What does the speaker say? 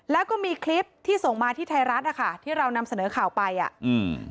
แล้วก็มีคลิปที่ส่งมาที่ไทยรัฐอ่ะค่ะที่เรานำเสนอข่าวไปอ่ะอืม